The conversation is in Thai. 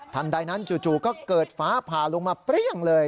ใดนั้นจู่ก็เกิดฟ้าผ่าลงมาเปรี้ยงเลย